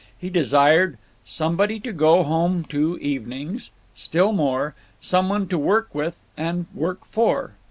He desired "somebody to go home to evenings"; still more, "some one to work with and work for."